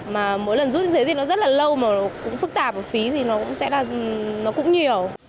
mà mỗi lần rút như thế thì nó rất là lâu mà cũng phức tạp phí thì nó cũng nhiều